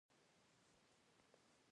کوږ نیت د رښتیني زړه ضد وي